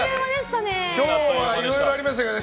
今日はいろいろありましたね。